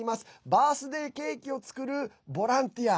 バースデーケーキを作るボランティア。